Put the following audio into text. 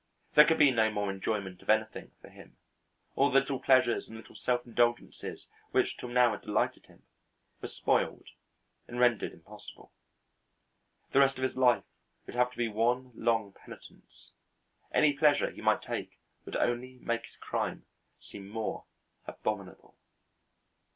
There could be no more enjoyment of anything for him; all the little pleasures and little self indulgences which till now had delighted him were spoiled and rendered impossible. The rest of his life would have to be one long penitence; any pleasure he might take would only make his crime seem more abominable.